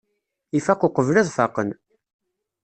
Ifaq uqbel ad faqen.